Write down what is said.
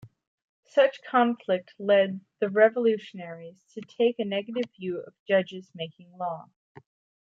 Such conflict led the Revolutionaries to take a negative view of judges making law.